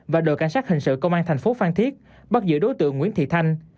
và đội cảnh sát hình sự công an thành phố phan thiết bắt giữ đối tượng nguyễn thị thanh